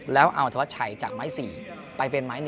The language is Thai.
แล้วเอาธวัชชัยจากไม้๔ไปเป็นไม้๑